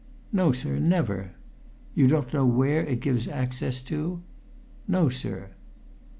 "No, sir, never." "You don't know where it gives access to?" "No, sir."